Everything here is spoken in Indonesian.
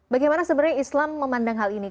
bagaimana sebenarnya islam memandang hal ini